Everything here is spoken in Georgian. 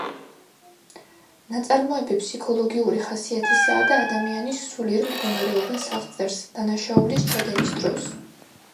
ნაწარმოები ფსიქოლოგიური ხასიათისაა და ადამიანის სულიერ მდგომარეობას აღწერს დანაშაულის ჩადენის დროს.